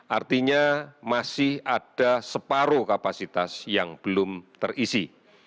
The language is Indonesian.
artinya masih ada separuh kapasitas yang belum terisi